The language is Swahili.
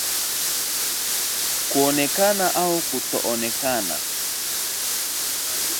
kuonekana au kutoonekana